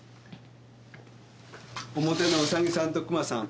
表のウサギさんとクマさん。